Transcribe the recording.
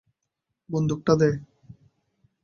বন্দুক টা দে।